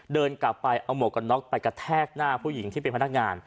เดินกลับไปเอาหมวกกันน็อกไปกระแทกหน้าผู้หญิงที่เป็นพนักงาน